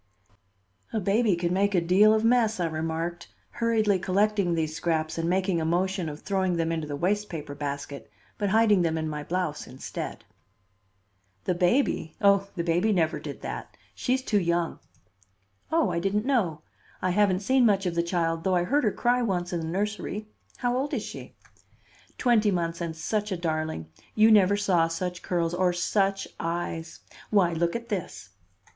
"A baby can make a deal of mess," I remarked, hurriedly collecting these scraps and making a motion of throwing them into the waste paper basket, but hiding them in my blouse instead. "The baby! Oh, the baby never did that. She's too young." "Oh, I didn't know. I haven't seen much of the child though I heard her cry once in the nursery. How old is she?" "Twenty months and such a darling! You never saw such curls or such eyes. Why, look at this!"